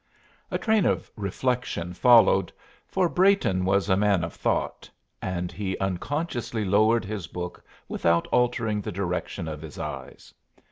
A train of reflection followed for Brayton was a man of thought and he unconsciously lowered his book without altering the direction of his eyes.